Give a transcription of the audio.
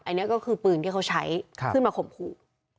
อันนี้ก็คือปืนที่เขาใช้ขึ้นมาข่มขู่